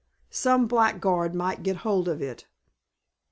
Some blackguard might get hold of it."